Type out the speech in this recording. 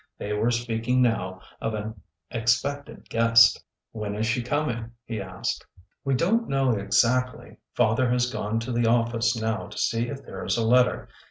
They were speaking now of an expected guest. 4 ORDER NO. 11 When is she coming? '' he asked. '' We don't know exactly. Father has gone to the office now to see if there is a letter.